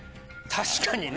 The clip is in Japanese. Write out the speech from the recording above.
確かにね！